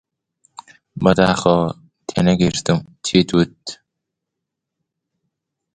بەداخەوە، تێنەگەیشتم چیت گوت.